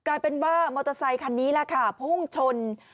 กลายเป็นว่ามอเตอร์ไซคันนี้แหละค่ะพุ่งชน